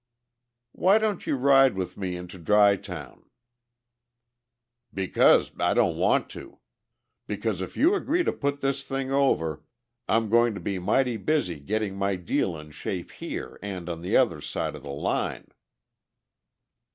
"Why don't you ride with me into Dry Town?" "Because I don't want to! Because, if you agree to put this thing over, I'm going to be mighty busy getting my deal in shape here and on the other side of the line."